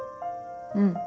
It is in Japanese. うん。